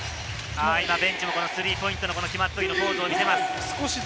ベンチもスリーポイントが決まった時のポーズを見せました。